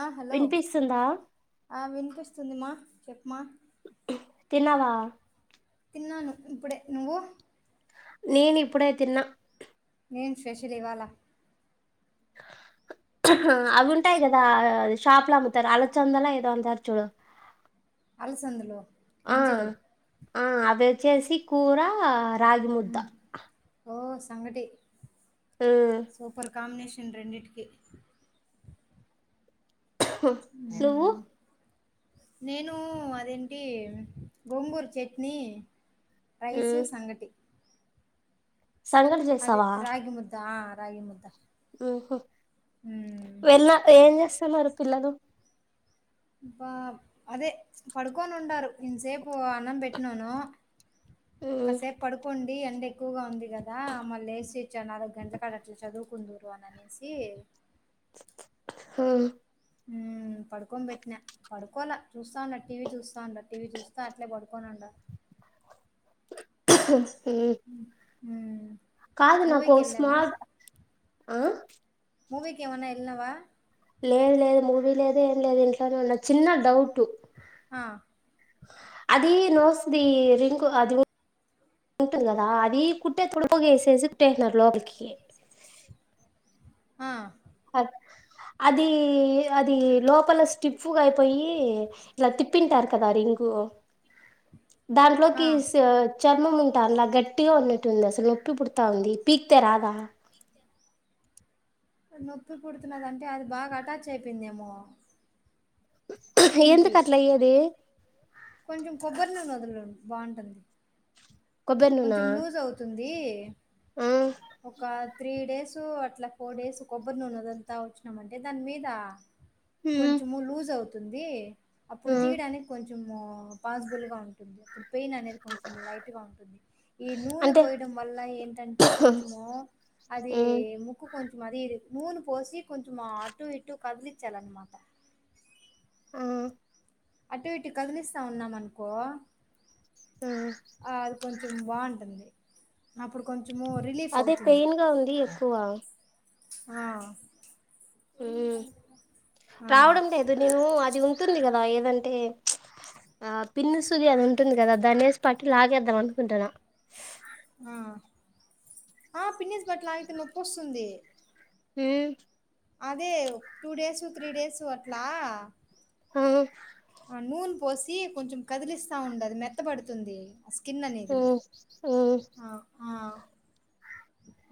ఆ హలో వినిపిస్తుందా ఆ విన్పిస్ సుంది మా చెప్ మా తిన్నావా తిన్నాను ఇప్పుడే నువ్వు నేను ఇప్పుడె తిన్నా ఏం స్పెషల్ ఇవ్వాలా అవి ఉంటాయి కదా షాప్లా అమ్ముతారు అలా చందలా ఏదో అంటారు చూడు అలసందులు ఆ గింజలు ఆ అవి వచ్చేసి కూర రాగి ముద్ద మ్ ఓ సంగటి ఉమ్ సూపర్ కాంబినేషన్ రెండిటికి నువ్వు మ్ నేను అదేంటి గోంగూర చట్నీ రైసు ఉమ్ సంగటి సంగటి అదే చేసావా రాగి ముద్దా రాగి ముద్ద ఉహు మ్ వెళ్ళిన ఏంచేస్తన్నారు పిల్లలు వా అదే పడుకొని ఉండారు ఇంతసేపు అన్నం పెట్నాను. ఉమ్ కాసేపు పడుకుండి ండి ఎండ ఎక్కువగా ఉంది. కదా మళ్ళీ లేసి ఇచ్చాను నాలుగు గంటల కాడ అట్లా చదువుకుందురు ఇవ్వననేసి హూ ఊ పడుకోన్ పెట్టినా పడుకోల చూస్తాన్నాడు టీవీ చూస్తా చూస్తాండాడు టీవీ చూస్త అట్లే పడుకోనుండాడు. ఊ ఊ కాదు నాకో స్మాల్ ఆ మూవికి ఏమన్నెల్నావా లేదు లేదు మూవీ లేదు ఏం లేదు ఇంట్లోనే ఉన్న చిన్న డౌట్ ఆ అది నోసు ది రింకు అది ఉంటుంది కదా అది కుట్టేటప్పుడు వేసేసి కుట్టేసినారు లోపలికి ఆ అ అది అది లోపల స్టిఫ్ గా అయిపోయి ఇట్లా తిప్పింటారు కదా రింగ్ ఆ దాంట్లోకి స్ చర్మం ఉంటాండ్ల గట్టిగా ఉన్నట్టుంది అసలు నొప్పి పుడతాంది పీక్తే రాల నొప్పి పుడుతున్నదంటే అది బాగా అటాచ్ అయిపోయిందేమో స్కిన్కి ఎందుకట్ల అయ్యేది. కొంచెం కొబ్బరి నూనె వదులు బాగుంటుంది కొబ్బరి నూన కొంచెం లూజ్ అవుతుంది ఈ ఒక త్రీ డేస్ అట్లా ఫోర్ డేస్ కొబ్బరి నూనె అదంతా వచ్చినాంమంటే దాని మీద కొంచము లుజ్ అవుత్ తుంది అప్పుడు తీయడానికి కొంచెం ఆ పాసిబుల్ గా ఉంటుంది అప్పుడు పెయిన్ అనేది కొంచెం లైట్ గా ఉంటుంది ఈ నూనె అంటే పోయడం వల్ల ఏంటంటే కొంచము అది ఉమ్, ముక్కు కొంచెం అది ఇది నూనె పోసి కొంచెం అటు ఇటు కదిలించాల అన్నమాట ఆ అటు ఇటు కదిలిస్తా ఉన్నాం అనుకో ఆ. ఆ అది కొంచెం బాగుంటుంది అప్పుడు కొంచెము రిలీఫ్ అదే అవుతుంది పెయిన్ గా ఉంది ఎక్కువ ఆ ఉమ్ ఆ రావడం లేదు నీవు అది ఉంటుంది కదా ఎంటే ఆ పిన్ని సూది అని ఉంటుంది కదా దనేసి పట్ లాగేద్దాం అనుకుంటున్నా ఆ ఆ పిన్నిస్ పట్టి లాగితే నొప్పోస్తుంది హుమ్ అదే టూ డేస్ త్రీ డేసు అట్లా ఆ నూనె పోసి కొంచెం కదిలిస్తా ఉండది మెత్తబడుతుంది స్కిన్ అనేది ఉమ్ ఉమ్ ఆ ఆ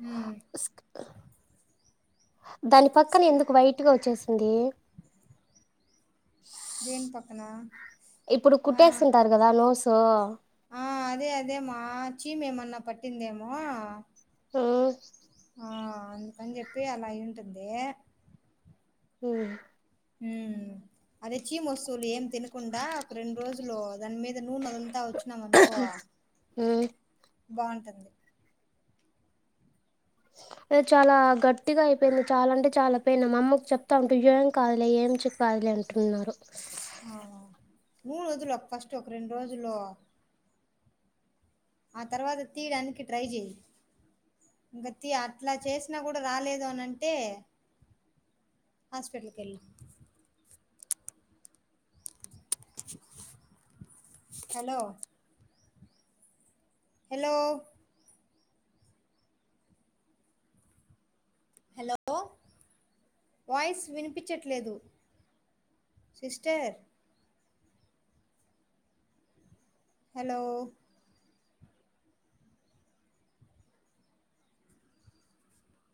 హ్మ్. స్క్ దాని పక్కన స్కి ఎందుకు వైట్ గా వచ్చేసి ఏంది దేని పక్కన? ఇప్పుడు ఆ! కుటస్ ఉంటారు కదా నోసు ఆ! అదే అదే మ చీమ్ ఏమన్నా పట్టిందేమో ఉమ్ ఆ అందుకని చెప్పి అలా అయి ఉంటుంది హు ఉమ్ అదే చీమ్ వస్తువులు ఏం తినకుండా ఒక రెండు రోజ్ లో దాని మీద నూనె వదులుతా వచ్చు నమనుకో ఉమ్ బాగుంటది అది చాలా గట్టిగా అయిపోయింది. చాలా అంటే, చాలా పెయిన్ మా అమ్మకు చెప్తా ఉంటే, ఏం కాదులే, ఏమి కాదులే అంటున్నారు. మూడు రోజులు ఒక ఫస్ట్ ఒక రెండు రోజులు ఆ తర్వాత తీయడానికి ట్రై చేయి ఇంక తీ అట్లా చేసినా కూడా రాలేదు అని అంటే హాస్పిటల్కి వెళ్ళు హలో హలో హలో వాయిస్ వినిపించట్లేదు సిస్టర్ హలో